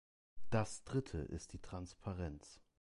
Das Dritte ist die Transparenz.